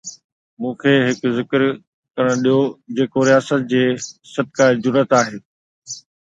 مون کي هڪ ذڪر ڪرڻ ڏيو جيڪو رياست جي 'صدقه جرئت' آهي.